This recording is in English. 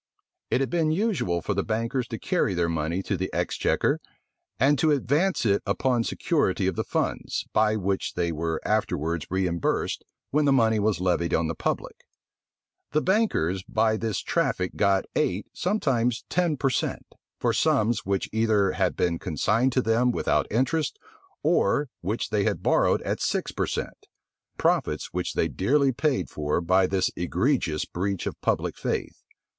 It had been usual for the bankers to carry their money to the exchequer, and to advance it upon security of the funds, by which they were afterwards reimbursed when the money was levied on the public. The bankers by this traffic got eight, sometimes ten per cent., for sums which either had been consigned to them without interest, or which they had borrowed at six per cent.; profits which they dearly paid for by this egregious breach of public faith.